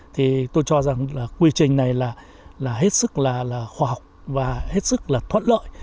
thì tôi cho rằng là quy trình này là là hết sức là là khoa học và hết sức là thoát lợi